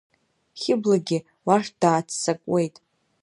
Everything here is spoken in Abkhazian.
Хьыблагьы уахь дааццакуеит.